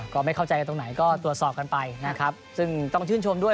ก็ไม่เข้าใจตรงไหนก็ตรวจสอบกันไปนะครับซึ่งต้องชื่นชมด้วย